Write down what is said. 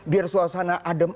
biar suasana adem